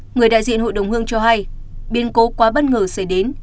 người đại diện hội đồng hương cho hay biến cố quá bất ngờ xảy đến